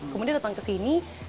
kemudian datang kesini